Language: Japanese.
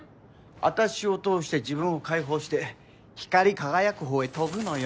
あたしを通して自分を解放して光り輝く方へ飛ぶのよ。